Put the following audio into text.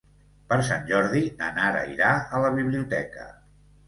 Per Sant Jordi na Nara irà a la biblioteca.